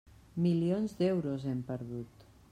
Milions d'euros, hem perdut.